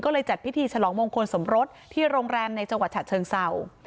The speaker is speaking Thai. ก็เลยจัดพิธีฉลองมงคลสมรสที่โรงแรมในจังหวัดฉะเชิงเศร้า